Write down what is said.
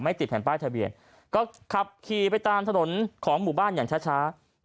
ติดแผ่นป้ายทะเบียนก็ขับขี่ไปตามถนนของหมู่บ้านอย่างช้า